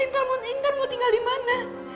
terus intan mau tinggal dimana